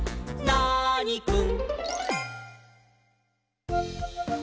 ナーニくん。